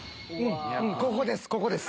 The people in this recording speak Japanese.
ここです